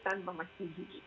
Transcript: tanpa masih gigi